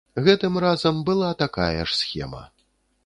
Гэтым разам была такая ж схема.